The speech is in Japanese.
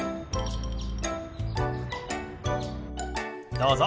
どうぞ。